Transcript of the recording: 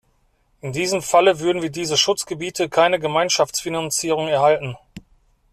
In diesem Falle würden diese Schutzgebiete keine Gemeinschaftsfinanzierung erhalten.